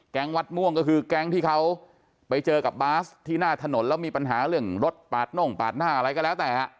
วัดม่วงก็คือแก๊งที่เขาไปเจอกับบาสที่หน้าถนนแล้วมีปัญหาเรื่องรถปาดน่งปาดหน้าอะไรก็แล้วแต่ฮะ